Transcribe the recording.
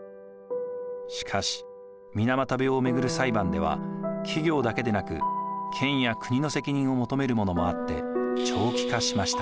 しかし水俣病を巡る裁判では企業だけでなく県や国の責任を求めるものもあって長期化しました。